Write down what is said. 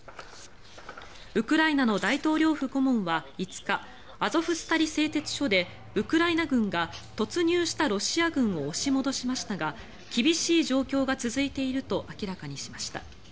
ウクライナの大統領府顧問は５日アゾフスタリ製鉄所でウクライナ軍が突入したロシア軍を押し戻しましたが厳しい状況が続いていると明らかにしました。